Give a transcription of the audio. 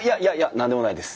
何でもないです。